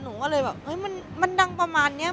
หนูก็เลยแบบเฮ้ยมันดังประมาณนี้